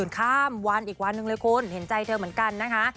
ข้ามวันอีกวันหนึ่งเลยคุณเห็นใจเธอเหมือนกันนะคะ